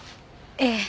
ええ。